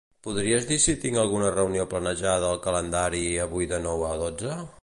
Podries dir si tinc alguna reunió planejada al calendari avui de nou a dotze?